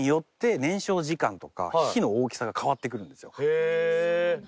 へえ！